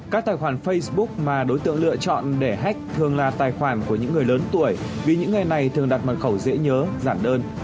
các tài khoản facebook mà đối tượng lựa chọn để hách thường là tài khoản của những người lớn tuổi vì những người này thường đặt mật khẩu dễ nhớ giản đơn